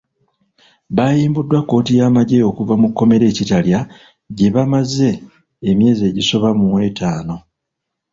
Baayimbuddwa kkooti y’amagye okuva mu kkomera e Kitalya gye bamaze emyezi egisoba mu etaano.